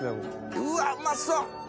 うわっうまそう！